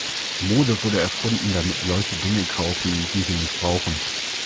Mode wurde erfunden, damit Leute Dinge kaufen, die sie nicht brauchen.